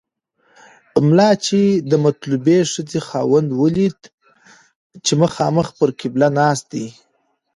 ملا چې د مطلوبې ښځې خاوند ولید چې مخامخ پر قبله ناست دی.